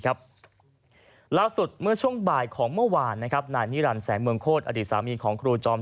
ล่าสุดเมื่อช่วงบ่ายของเมื่อวาน